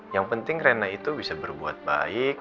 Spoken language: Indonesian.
yang penting rena itu bisa berbuat baik